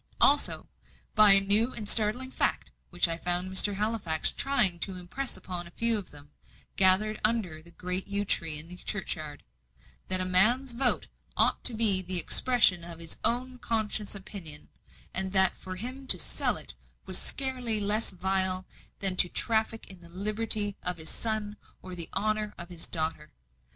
Also, by a new and startling fact which I found Mr. Halifax trying to impress upon a few of them, gathered under the great yew tree in the churchyard that a man's vote ought to be the expression of his own conscientious opinion; and that for him to sell it was scarcely less vile than to traffic in the liberty of his son or the honour of his daughter.